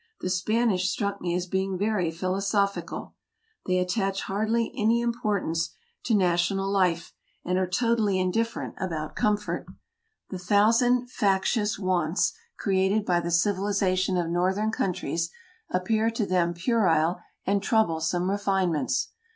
The Spanish struck me as being very philosophical. They attach hardly any importance to na 184 TRAVELERS AND EXPLORERS tional life, and are totally indifferent about comfort. The thousand factitious wants, created by the civilization of northern countries, appear to them puerile and troublesome refinements.